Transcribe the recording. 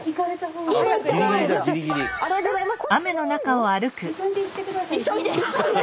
ありがとうございます。